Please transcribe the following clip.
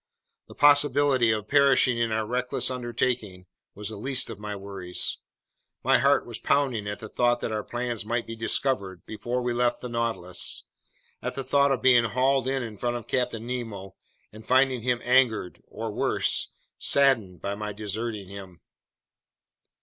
The possibility of perishing in our reckless undertaking was the least of my worries; my heart was pounding at the thought that our plans might be discovered before we had left the Nautilus, at the thought of being hauled in front of Captain Nemo and finding him angered, or worse, saddened by my deserting him.